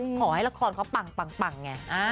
ขอให้ละครเขาปังไง